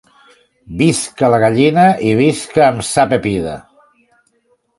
Visca la gallina i visca amb sa pepida.